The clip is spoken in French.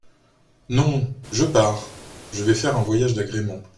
Non, je pars… je vais faire un voyage d’agrément !